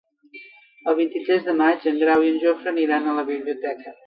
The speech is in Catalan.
El vint-i-tres de maig en Grau i en Jofre aniran a la biblioteca.